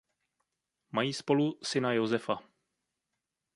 Mají spolu syna Josefa.